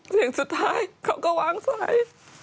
เสียงสุดท้ายเขาก็วางสาย